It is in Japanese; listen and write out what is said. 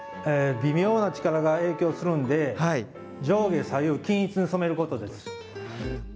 微妙な力が影響するんで上下左右、均一に染めることです。